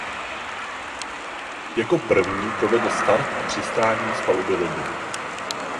Jako první provedl start a přistání z paluby lodi.